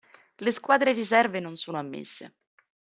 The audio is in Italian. Le squadre riserve non sono ammesse.